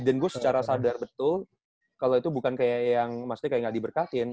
dan gue secara sadar betul kalo itu bukan kayak yang maksudnya kayak gak diberkatiin